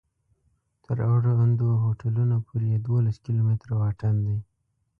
تر اړوندو هوټلونو پورې یې دولس کلومتره واټن دی.